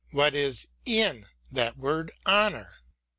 What is in that word honour